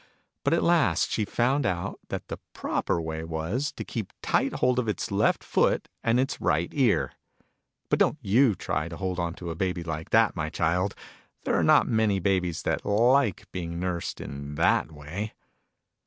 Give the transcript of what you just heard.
But at last she found out that the proper way was, to keep tight hold of its left foot and its right ear. But don't you try to hold on to a Baby like that, my Child ! There are not many babies that like being nursed in that way